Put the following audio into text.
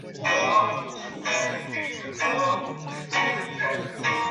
位于河南省南阳市淅川县荆紫关镇磨沟村的伏牛山余脉乍客山山腰间。